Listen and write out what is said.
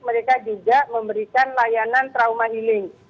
mereka juga memberikan layanan trauma healing